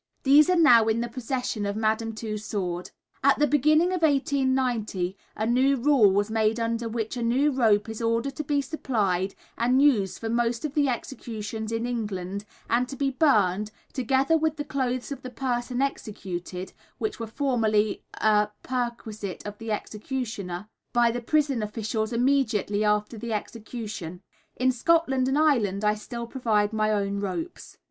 These are now in the possession of Madame Tussaud. At the beginning of 1890 a new rule was made under which a new rope is ordered to be supplied and used for most of the executions in England, and to be burned, together with the clothes of the person executed (which were formerly a perquisite of the executioner) by the prison officials immediately after the execution. In Scotland and Ireland I still provide my own ropes.